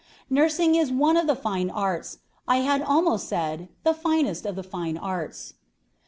Nursing is one of the fine arts; I had almost said, the finest of the fine arts."